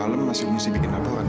nanti malem masih musibikin apaan